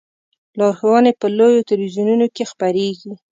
لارښوونې په لویو تلویزیونونو کې خپریږي.